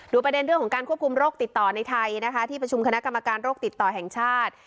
ประเด็นเรื่องของการควบคุมโรคติดต่อในไทยนะคะที่ประชุมคณะกรรมการโรคติดต่อแห่งชาติ